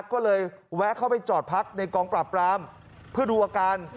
ก็เลยแวะเข้าไปจอดพักในกองปราบปรามเพื่อดูอาการ